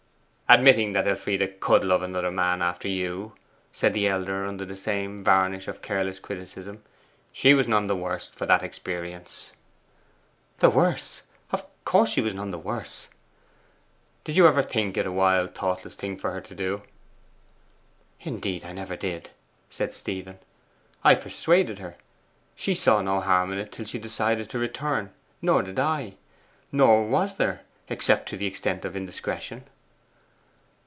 'Admitting that Elfride COULD love another man after you,' said the elder, under the same varnish of careless criticism, 'she was none the worse for that experience.' 'The worse? Of course she was none the worse.' 'Did you ever think it a wild and thoughtless thing for her to do?' 'Indeed, I never did,' said Stephen. 'I persuaded her. She saw no harm in it until she decided to return, nor did I; nor was there, except to the extent of indiscretion.